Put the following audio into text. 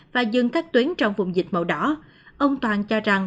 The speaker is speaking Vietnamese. và dừng các tuyến trong vùng dịch màu đỏ